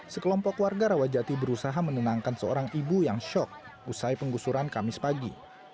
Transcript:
sekelompok warga rawajati berusaha menenangkan seorang ibu yang shock usai penggusuran kamis pagi